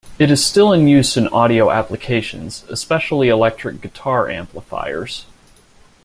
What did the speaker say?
It is still in use in audio applications, especially electric guitar amplifiers.